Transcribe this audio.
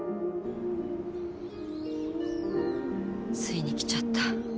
ついに来ちゃった。